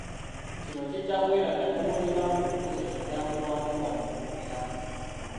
Kino kijja kweraga ne bw'oliba ng'okuze naddala mu bantu banno b'obeeramu